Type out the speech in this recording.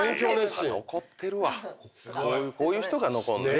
こういう人が残んのよ。